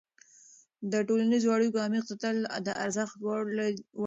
د ټولنیزو اړیکو عمیق ته تلل د ارزښت وړ دي.